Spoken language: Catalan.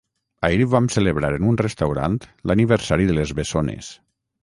Ahir vam celebrar en un restaurant l'aniversari de les bessones